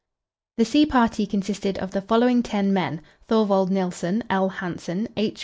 The sea party consisted of the following ten men Thorvald Nilsen, L. Hansen, H.